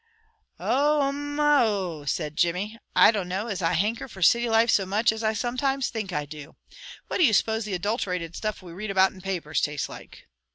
"Ohumahoh!" said Jimmy. "I don't know as I hanker for city life so much as I sometimes think I do. What do you suppose the adulterated stuff we read about in papers tastes like?"